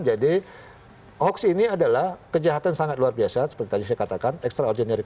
jadi hoax ini adalah kejahatan sangat luar biasa seperti tadi saya katakan extraordinary